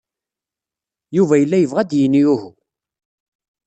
Yuba yella yebɣa ad d-yini uhu.